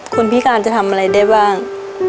พิการจะทำอะไรได้บ้าง